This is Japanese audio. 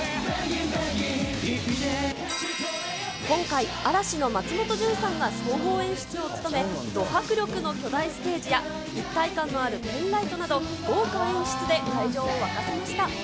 今回、嵐の松本潤さんが総合演出を務め、ド迫力の巨大ステージや、一体感のあるペンライトなど、豪華演出で会場を沸かせました。